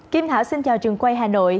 kim thảo xin chào trường quay hà nội